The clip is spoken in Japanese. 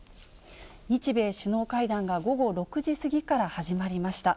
日米首脳会談が午後６時過ぎから始まりました。